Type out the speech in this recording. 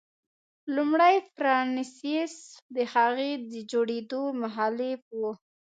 لومړي فرانسیس د هغې د جوړېدو مخالف و.